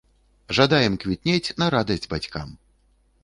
Жадаем квітнець на радасць бацькам!